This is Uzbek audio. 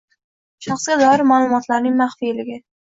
Shaxsga doir ma’lumotlarning maxfiyligi